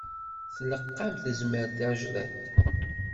Tlaq-am tesmert d tajdidt.